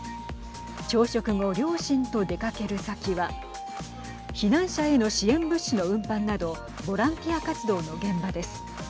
朝食後両親と出かける先は避難者への支援物資の運搬などボランティア活動の現場です。